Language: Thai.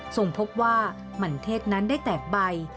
ทรงพบว่ามันเทศนั้นได้แต่ใบ